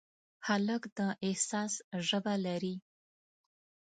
هلک د احساس ژبه لري.